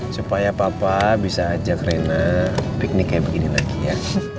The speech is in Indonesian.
supaya papa bisa ajak rena piknik kayak begini lagi ya